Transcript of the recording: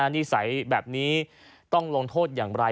นิสัยแบบนี้ต้องลงโทษอย่างไร